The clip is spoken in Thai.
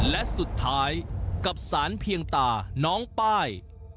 และสุดท้ายกับสารเพียงตาน้องป้าย